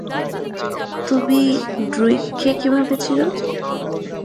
তুমি ড্রুইগকে কীভাবে চিনো?